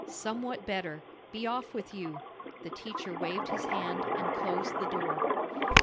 "Somewhat better. Be off with you!" The teacher waved his hand, and closed the door.